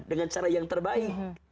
dengan cara yang terbaik